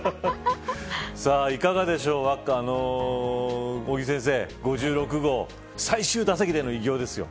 いかがでしょう尾木先生、５６号最終打席での偉業ですよ。